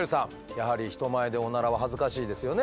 やはり人前でオナラは恥ずかしいですよね？